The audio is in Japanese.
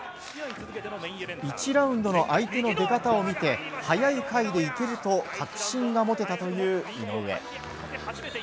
１ラウンドの相手の出方を見て早い回でいけると確信が持てたという井上。